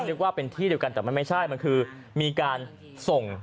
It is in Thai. นึกว่าเป็นที่เดียวกันแต่มันไม่ใช่มันคือมีการส่ง